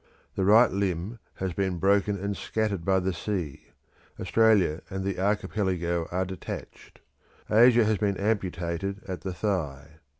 The right limb has been broken and scattered by the sea; Australia and the Archipelago are detached; Asia has been amputated at the thigh.